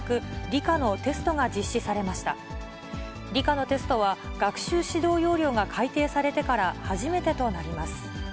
理科のテストは学習指導要領が改訂されてから、初めてとなります。